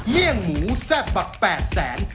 เลี่ยงหมูแซ่บบัก๘แสน